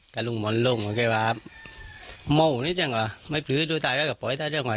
กะลุงหมอนลุงโอเควะโม่นิจังหวะไม่พรือดูตายแล้วก็ปล่อยตายด้วยหว่า